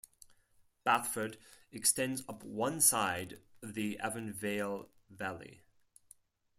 Bathford extends up one side of the Avonvale Valley.